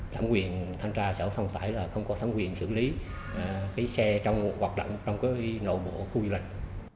thẩm quyền tham gia xã hội xong tải là không có thẩm quyền xử lý xe hoạt động trong nội bộ khu du lịch